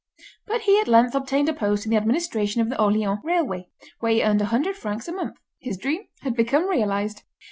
But he at length obtained a post in the administration of the Orleans Railway, where he earned 100 francs a month. His dream had become realised.